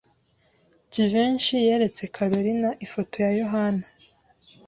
Jivency yeretse Kalorina ifoto ya Yohana.